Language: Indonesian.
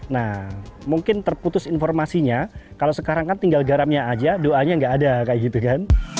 nah mungkin terputus informasinya kalau sekarang kan tinggal garamnya saja doanya tidak ada